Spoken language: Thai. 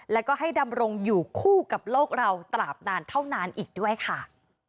แล้วก็ให้ดำรงอยู่คู่กับโลกเราตราบนานเท่านานอีกด้วยค่ะ